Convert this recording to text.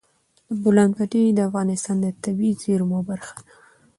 د بولان پټي د افغانستان د طبیعي زیرمو برخه ده.